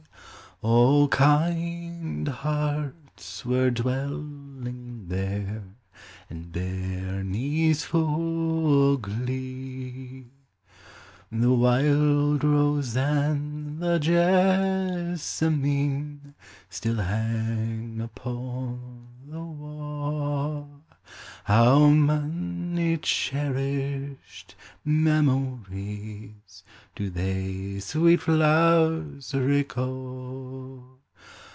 Oh! kind hearts were dwelling there, And bairnies fu' o' glee; The wild rose and the jessamine Still hang upon the wa': How niony cherished memories Do they, sweet tlowers.